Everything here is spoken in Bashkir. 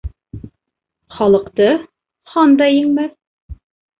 Халыҡты хан да еңмәҫ.